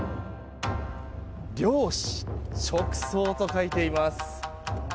漁師直送と書いています。